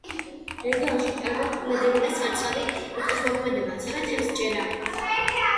რეგიონში ჭარბობს ბუნებრივი და სარწყავი მიწადმოქმედება, ასევე თევზჭერა.